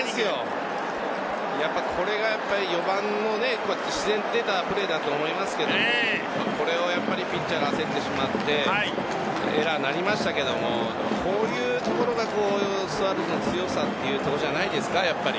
これが４番の自然に出たプレーだと思いますけどこれをピッチャーが焦ってしまってエラーになりましたけどもこういうところがスワローズの強さというところじゃないですか。